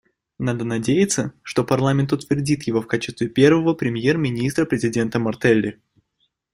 Надо надеяться, что парламент утвердит его в качестве первого премьер-министра президента Мартелли.